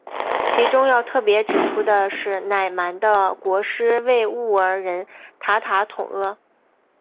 其中要特别指出的是乃蛮的国师畏兀儿人塔塔统阿。